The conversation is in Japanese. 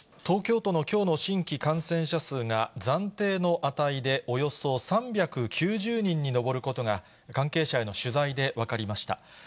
東京都のきょうの新規感染者数が、暫定の値でおよそ３９０人に上ることが、関係者への取材で分かりました。